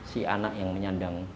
si anak yang menyandang